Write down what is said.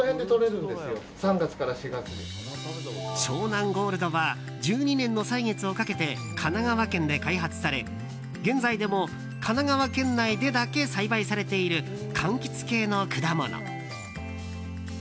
湘南ゴールドは１２年の歳月をかけて神奈川県で開発され現在でも神奈川県内でだけ栽培されている柑橘系の果物。